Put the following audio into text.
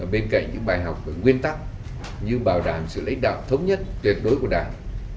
bên cạnh những bài học về nguyên tắc như bảo đảm sự lấy đạo thống nhất tuyệt đối của đảng